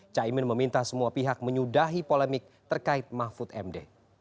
caimin meminta semua pihak menyudahi polemik terkait mahfud md